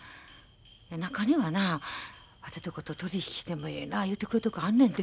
中にはなわてとこと取り引きしてもええな言うてくれるとこあんねんで。